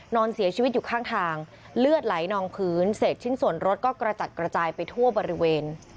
นอนเสียชีวิตอยู่ข้างทางเลือดไหลนองพื้นเศษชิ้นส่วนรถก็กระจัดกระจายไปทั่วบริเวณ